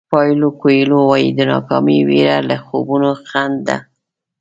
پایلو کویلو وایي د ناکامۍ وېره له خوبونو خنډ ده.